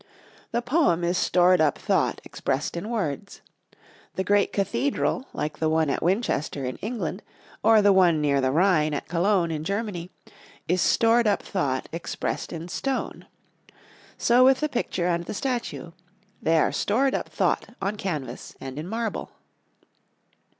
The poem is stored up thought expressed in words; the great cathedral like the one at Winchester, in England, or the one near the Rhine, at Cologne, in Germany, is stored up thought expressed in stone. So with the picture and the statue: they are stored up thought on canvas and in marble.